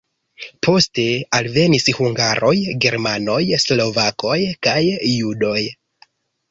Poste alvenis hungaroj, germanoj, slovakoj kaj judoj.